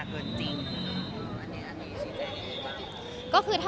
มันเป็นปัญหาจัดการอะไรครับ